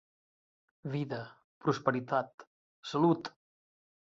Vida, prosperitat, salut.